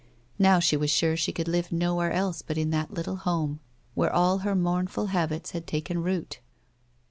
Now she was sure she could live nowhere else but in that little home where all her mournful habits had taken root.